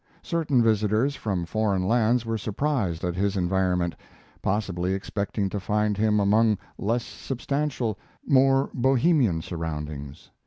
Certain visitors from foreign lands were surprised at his environment, possibly expecting to find him among less substantial, more bohemian surroundings.